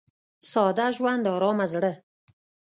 • ساده ژوند، ارامه زړه.